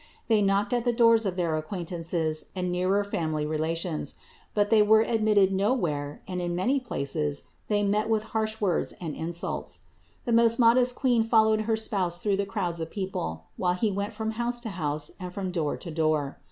They knocked at the doors of their acquaintances and nearer family relations ; but they were admitted nowhere and in many places they met with harsh words and insults. The most modest Queen fol lowed her spouse through the crowds of people, while he went from house to house and from door to door.